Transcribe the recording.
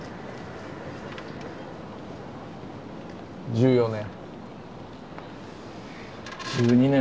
１４年。